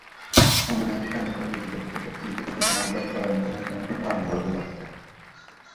সংবিধানকে কেন্দ্র করে দেশটিতে বিশেষত সীমান্তের তরাই অঞ্চলের সহিংসতার আঁচ ভারতেও লাগবে।